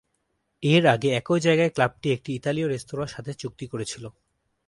এর আগে, একই জায়গায় ক্লাবটি একটি ইতালিয় রেস্তোরাঁর সাথে চুক্তি করেছিল।